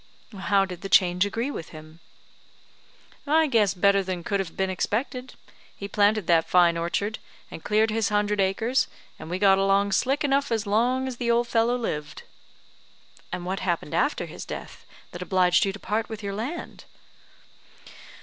"How did the change agree with him?" "I guess better than could have been expected. He planted that fine orchard, and cleared his hundred acres, and we got along slick enough as long as the old fellow lived." "And what happened after his death, that obliged you to part with your land?"